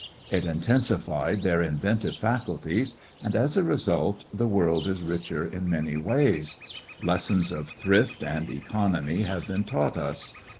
It intensified their inventive faculties, and as a result, the world is richer in many ways. Lessons of thrift and economy have been taught us.